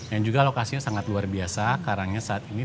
yang juga lokasinya sangat luar biasa karangnya saat ini